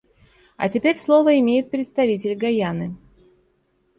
А теперь слово имеет представитель Гайаны.